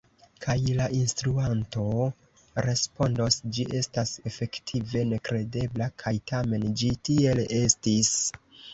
Kaj la instruanto respondos: « ĝi estas efektive nekredebla, kaj tamen ĝi tiel estis!